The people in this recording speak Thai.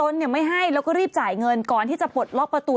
ไม่ให้แล้วก็รีบจ่ายเงินก่อนที่จะปลดล็อกประตู